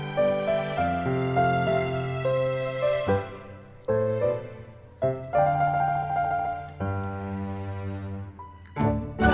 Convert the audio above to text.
papa yang jalanin duduk aja